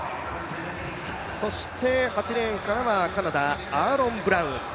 そして８レーンからはカナダ、アーロン・ブラウン。